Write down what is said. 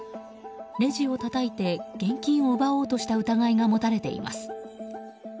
レジをたたいて現金を奪おうとした疑いが持たれています。